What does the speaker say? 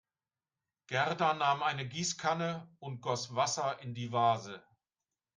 Gerda nahm eine Gießkanne und goss Wasser in die Vase.